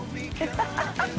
ハハハ